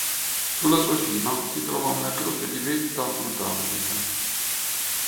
Sulla sua cima si trova una croce di vetta metallica.